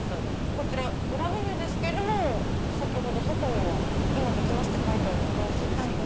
こちら裏メニューですけども外に今できますってあるのはどうしてですか？